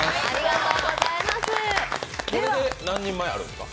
これで何人前ありますか？